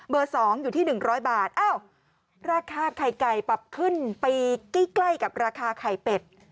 เบอร์สองอยู่ที่หนึ่งร้อยบาทเอ้าราคาไข่ไก่ปรับขึ้นไปใกล้ใกล้กับราคาไข่เป็ด